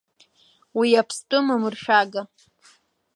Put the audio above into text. Уи аԥстәы мамыршәага.